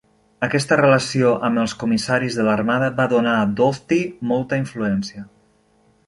Aquesta relació amb els Comissaris de l"armada va donar a Doughty molta influència.